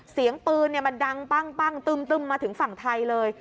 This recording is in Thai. เสียงปืนมันดังปั้งตึ้มมาถึงฝั่งไทยเลย